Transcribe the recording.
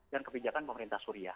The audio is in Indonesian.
dan kebijakan pemerintah suria